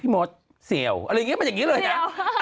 โหเสียวอะไรอย่างนี้เลยน่ะ